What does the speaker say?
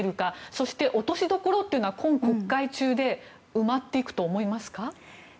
そして、落としどころは今国会中で埋まっていくと思いますか？